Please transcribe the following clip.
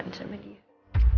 kamu udah gasih dia cincin